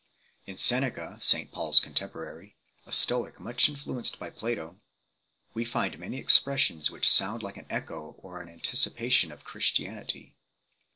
In Seneca 2 , St Paul s., contemporary, a Stoic much in fluenced by Plato, we find many expressions which sound like an echo or an anticipation of Christianity.